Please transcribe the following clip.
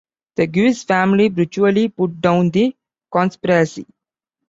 The Guise family brutally put down the conspiracy.